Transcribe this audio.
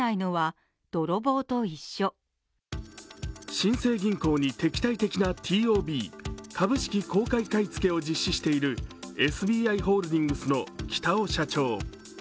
新生銀行に敵対的なＴＯＢ＝株式公開買い付けを実施しているＳＢＩホールディングスの北尾社長。